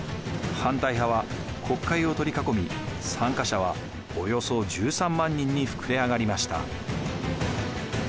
反対派は国会を取り囲み参加者はおよそ１３万人に膨れ上がりました。